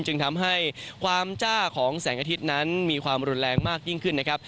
จึงทำให้ความจ้าของแสงอาทิตย์นั้นมีความรุนแรงมากยิ่งขึ้นนะครับ